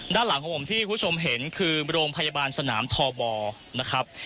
ด้านหลังของผมที่คุณผู้ชมเห็นคือโรงพยาบาลสนามทบนะครับ